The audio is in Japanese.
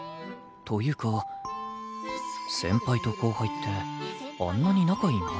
というか先輩と後輩ってあんなに仲いいもんだっけ？